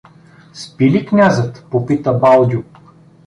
— Спи ли князът? — попита Балдю.